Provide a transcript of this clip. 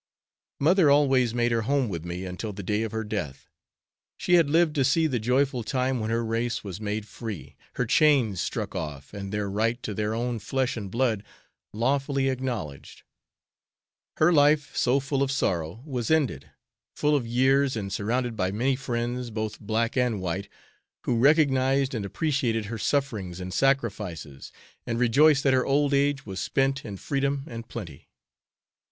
Mother always made her home with me until the day of her death; she had lived to see the joyful time when her race was made free, their chains struck off, and their right to their own flesh and blood lawfully acknowledged. Her life, so full of sorrow, was ended, full of years and surrounded by many friends, both black and white, who recognized and appreciated her sufferings and sacrifices and rejoiced that her old age was spent in freedom and plenty.